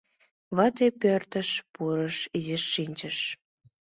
Вате пӧртыш пурыш, изиш шинчыш.